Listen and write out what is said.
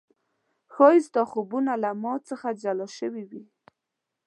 ښايي ستا خوبونه له ما څخه جلا شوي و